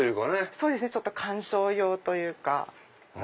そうですね鑑賞用というか。